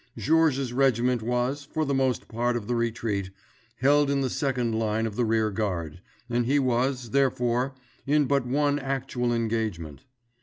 Georges's regiment was, for the most part of the retreat, held in the second line of the rear guard, and he was, therefore, in but one actual engagement.